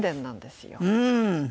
うん！